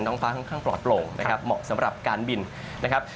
ฟ้าค่อนข้างปลอดโปร่งนะครับเหมาะสำหรับการบินนะครับ